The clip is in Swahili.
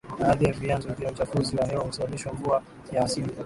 Baadhi ya vyanzo vya uchafuzi wa hewa husababisha mvua ya asidi